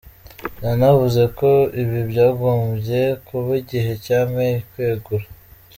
Yanavuze ko ibi byagombye kuba igihe cya May kwegura.